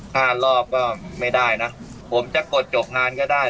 ห้ารอบก็ไม่ได้นะผมจะกดจบงานก็ได้